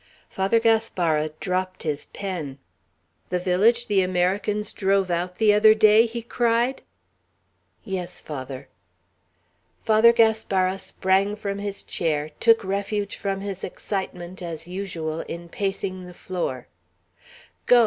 Father Gaspara dropped his pen. "The village the Americans drove out the other day?" he cried. "Yes, Father." Father Gaspara sprang from his chair, took refuge from his excitement, as usual, in pacing the floor. "Go!